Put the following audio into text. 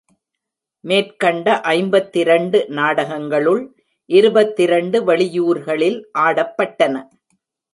மேற்கண்ட ஐம்பத்திரண்டு நாடகங்களுள், இருபத்திரண்டு வெளியூர்களில் ஆடப்பட்டன.